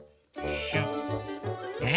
え？